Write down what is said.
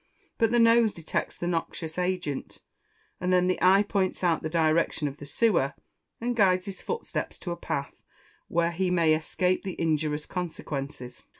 But the nose detects the noxious agent, and then the eye points out the direction of the sewer, and guides his footsteps to a path where he may escape the injurious consequences.